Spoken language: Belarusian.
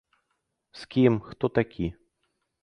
З кім, хто такі?